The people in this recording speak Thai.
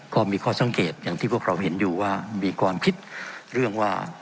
ข้อสังเกตอย่างที่พวกเราเห็นอยู่ว่ามีความคิดเรื่องว่า